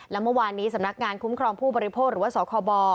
และเมื่อวานนี้สำนักงานคุ้มครองผู้บริโภคหรือว่าสคบ